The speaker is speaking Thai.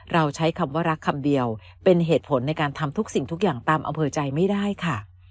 ใช้คำว่ารักคำเดียวเป็นเหตุผลในการทำทุกสิ่งทุกอย่างตามอำเภอใจไม่ได้ค่ะ